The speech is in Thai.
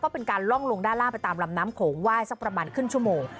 เป็นการล่องลงด้านล่างไปตามลำน้ำโขงไหว้สักประมาณครึ่งชั่วโมง